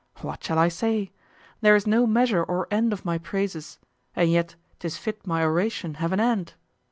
What shall I say? There is no measure or end of my praises, and yet 'tis fit my oration have an end.